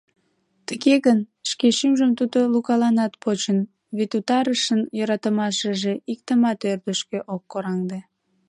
Тыге гын, шке шӱмжым тудо Лукаланат почын, вет Утарышын йӧратымашыже иктымат ӧрдыжкӧ ок кораҥде.